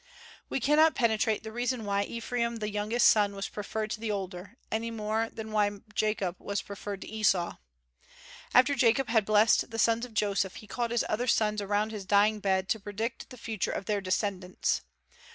We cannot penetrate the reason why Ephraim the younger son was preferred to the older, any more than why Jacob was preferred to Esau. After Jacob had blessed the sons of Joseph, he called his other sons around his dying bed to predict the future of their descendants.